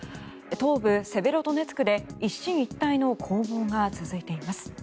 東部セベロドネツクで一進一退の攻防が続いています。